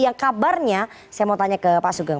yang kabarnya saya mau tanya ke pak sugeng